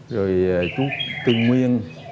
rồi chú tư nguyên